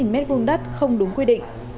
một mươi m hai đất không đúng quy định